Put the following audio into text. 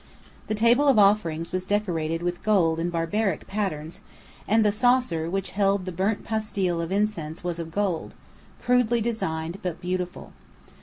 The table of offerings was decorated with gold in barbaric patterns, and the saucer which held the burnt pastille of incense was of gold, crudely designed, but beautiful.